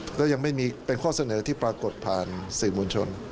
และยังไม่มีเป็นข้อเสนอที่ปรากฏผ่านสื่อมวลชน